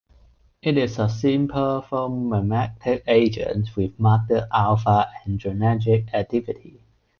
It is a sympathomimetic agent with marked alpha adrenergic activity.